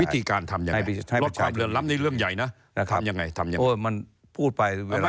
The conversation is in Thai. วิธีการทำยังไงลดความเหลื่อมล้ำนี่เรื่องใหญ่นะทำยังไง